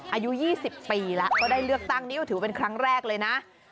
อายุ๒๐ปีแล้วก็ได้เลือกตั้งนี่ก็ถือเป็นครั้งแรกเลยนะ